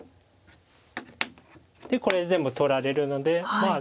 でこれで全部取られるのでまあ